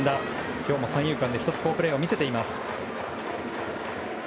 今日も三遊間で１つ好プレーを見せています。